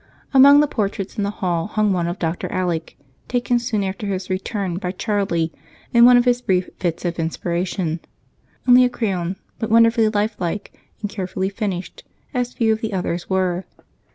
Among the portraits in the hall hung one of Dr. Alec, done soon after his return by Charlie in one of his brief fits of inspiration. Only a crayon, but wonderfully lifelike and carefully finished, as few of the others were.